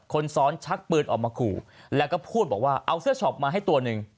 คนซ้อนชักปืนออกมาขู่แล้วก็พูดบอกว่าเอาเสื้อช็อปมาให้ตัวหนึ่ง